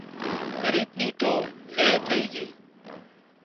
ڳريب نِي تو لئي ٿئي جھئي